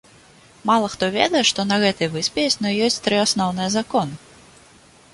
Мала хто ведае, што на гэтай выспе існуюць тры асноўныя законы.